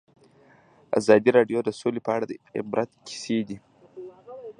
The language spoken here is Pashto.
ازادي راډیو د سوله په اړه د عبرت کیسې خبر کړي.